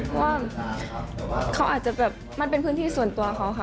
เพราะว่าเขาอาจจะแบบมันเป็นพื้นที่ส่วนตัวเขาค่ะ